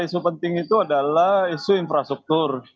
isu penting itu adalah isu infrastruktur